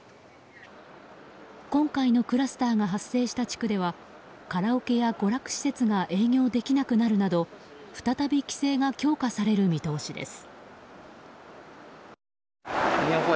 今回のクラスターが発生した地区ではカラオケや娯楽施設が営業できなくなるなど再び規制が強化される見通しです。